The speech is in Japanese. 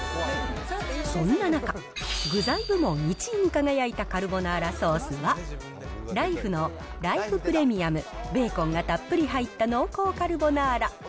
そんな中、具材部門１位に輝いたカルボナーラソースは、ライフのライフプレミアム、ベーコンがたっぷり入った濃厚カルボナーラ。